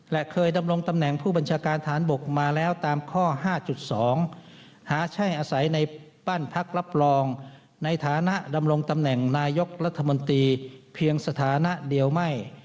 และเคยดำรงตำแหน่งผู้บัญชาการฐานบกมาแล้วตามข้อ๕๒หาใช่อาศัยในบ้านพักรับรองในฐานะดำรงตำแหน่งนายกรัฐมนตรีเพียงสถานะเดียวไม่